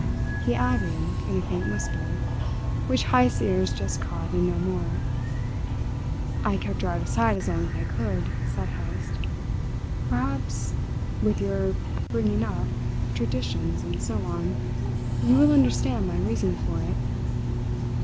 he added in a faint whisper, which Heyst's ears just caught and no more. "I kept her out of sight as long as I could," said Heyst. "Perhaps, with your bringing up, traditions, and so on; you will understand my reason for it."